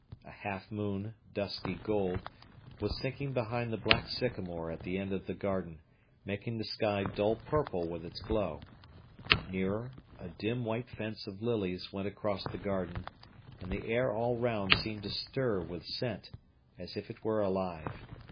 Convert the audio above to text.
A half moon, dusky gold, was sinking behind the black sycamore at the end of the garden, making the sky dull purple with its glow. Nearer, a dim white fence of lilies went across the garden, and the air all round seemed to stir with scent, as if it were alive.